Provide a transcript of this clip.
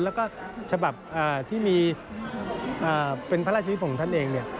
แล้วก็ฉบับที่มีเป็นพระราชนิพลของท่านเอง